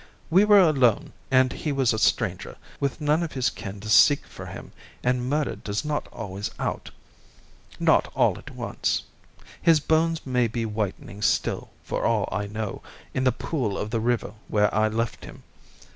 We were alone and he was a stranger, with none of his kin to seek for him and murder does not always out—not all at once. His bones may be whitening still, for all I know, in the pool of the river where I left him.